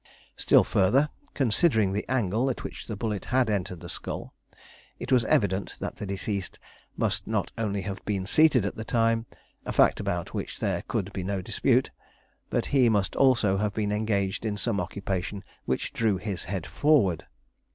Still further, considering the angle at which the bullet had entered the skull, it was evident that the deceased must not only have been seated at the time, a fact about which there could be no dispute, but he must also have been engaged in some occupation which drew his head forward.